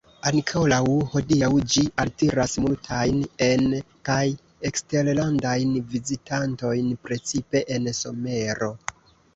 Ankoraŭ hodiaŭ ĝi altiras multajn en- kaj eksterlandajn vizitantojn, precipe en somero.